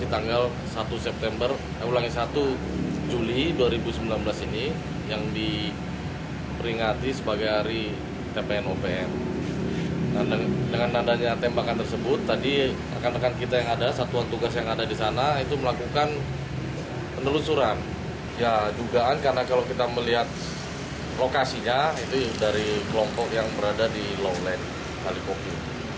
ya jugaan karena kalau kita melihat lokasinya itu dari kelompok yang berada di lowland kalikopi